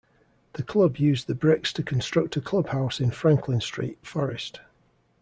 The club used the bricks to construct a clubhouse in Franklin Street, Forrest.